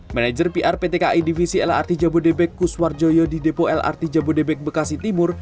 manager pr ptki divisi lrt jabodebek kuswar joyo di depo lrt jabodebek bekasi timur